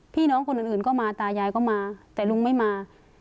พี่น้องคนอื่นก็มาตายายก็มาแต่ลุงไม่มา